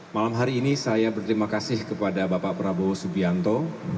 malam hari ini saya berterima kasih kepada bapak prabowo subianto